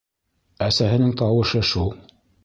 Әсәһенең тауышы шул.